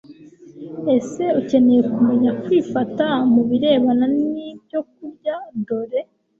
Ese ukeneye kumenya kwifata mu birebana n ibyokurya Dore